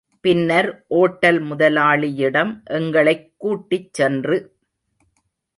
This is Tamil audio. பின்னர் ஓட்டல் முதலாளியிடம் எங்களைக் கூட்டிச் சென்று.